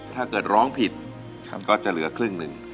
ถ้าเกิดร้องผิดก็จะเหลือครึ่งหนึ่ง